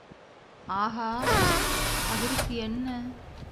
ஆகா, அதற்கு என்ன?